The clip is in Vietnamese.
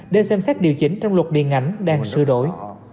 để xem xét điều chỉnh trong luật điện ảnh đang sửa đổi